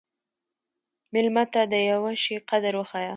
مېلمه ته د یوه شي قدر وښیه.